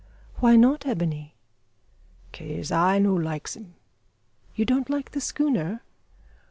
"Why not, Ebony?" "Kase I no likes him." "You don't like the schooner?"